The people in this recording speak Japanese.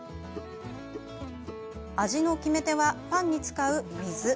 味の決め手はパンに使う水。